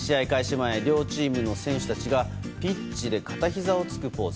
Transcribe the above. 前両チームの選手たちがピッチで片ひざをつくポーズ。